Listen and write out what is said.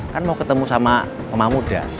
kan mau ketemu sama pemahamuda